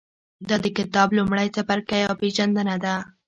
دا د کتاب لومړی څپرکی او پېژندنه ده.